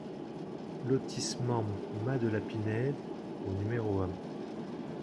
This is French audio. Lotissement Mas de la Pinede au numéro un